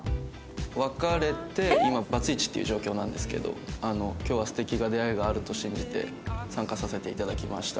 別れて今バツイチっていう状況なんですけど今日は素敵な出会いがあると信じて参加させて頂きました。